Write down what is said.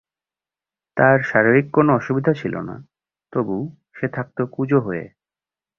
তার শারীরিক কোনো অসুবিধা ছিল না, তবু সে থাকত কুঁজো হয়ে।